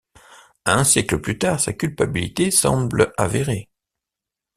Un siècle plus tard, sa culpabilité semble avérée.